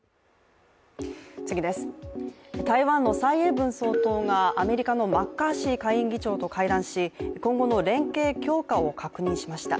台湾の蔡英文総統がアメリカのマッカーシー下院議長と会談し今後の連携強化を確認しました。